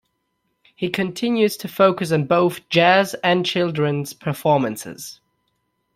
He continues to focus on both jazz and children's performances.